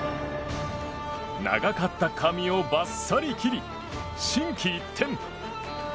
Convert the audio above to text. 長かった髪をバッサリ切り心機一転。